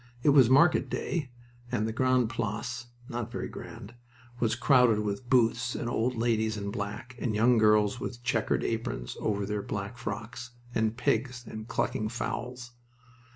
It was market day and the Grande Place (not very grand) was crowded with booths and old ladies in black, and young girls with checkered aprons over their black frocks, and pigs and clucking fowls.